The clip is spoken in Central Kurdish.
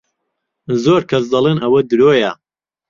زۆر کەس دەڵێن ئەوە درۆیە.